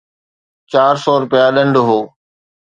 چار سؤ رپيا ڏنڊ هو.